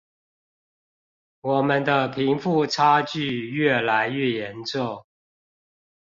我們的貧富差距越來越嚴重